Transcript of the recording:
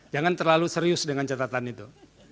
jangan terlalu serius dengan catatan itu